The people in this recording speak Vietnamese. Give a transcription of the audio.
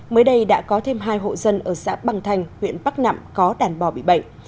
mới đây đã có thêm hai hộ dân ở xã bằng thành huyện bắc nẵm có đàn bò bị bệnh